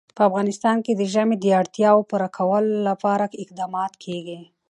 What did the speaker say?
په افغانستان کې د ژمی د اړتیاوو پوره کولو لپاره اقدامات کېږي.